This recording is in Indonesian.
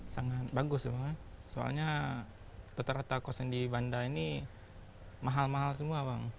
sangat bagus soalnya soalnya teterata kos yang di bandar ini mahal mahal semua bang